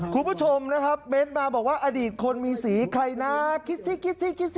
คุณผู้ชมนะครับเมดมาบอกว่าอดีตคนมีสีใครนะคิดสิคิดสิคิดสิ